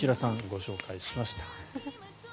ご紹介しました。